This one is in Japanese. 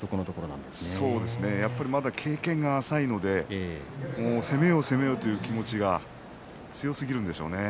まだ、やっぱり経験が浅いので攻めよう攻めようという気持ちが強すぎるんでしょうね。